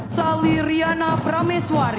salih riana prameswari